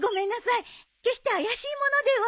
決して怪しい者では。